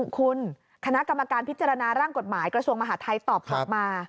คุณคณะกรรมการพิจารณาร่างกฎหมายกระทรวงมหาทัยตอบกลับมา